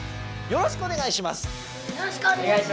よろしくお願いします。